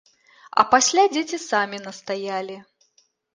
А пасля дзеці самі настаялі!